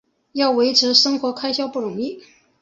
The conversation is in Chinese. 要维持生活开销不容易